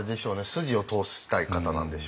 筋を通したい方なんでしょうね。